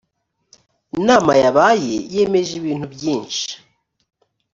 inama yabaye yemeje ibintu byinshi